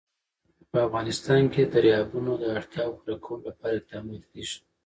په افغانستان کې د دریابونه د اړتیاوو پوره کولو لپاره اقدامات کېږي.